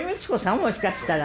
もしかしたら。